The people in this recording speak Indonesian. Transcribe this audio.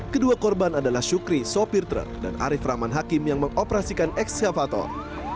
kedua korban adalah syukri sopir truk dan arief rahman hakim yang mengoperasikan ekskavator